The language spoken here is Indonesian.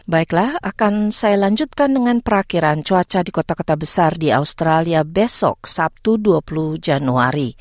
baiklah akan saya lanjutkan dengan perakhiran cuaca di kota kota besar di australia besok sabtu dua puluh januari